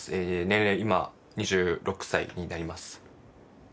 年齢今２６歳になります。